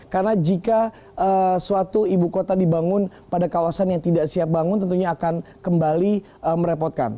karena jika suatu ibu kota dibangun pada kawasan yang tidak siap bangun tentunya akan kembali merepotkan